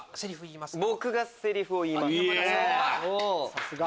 さすが！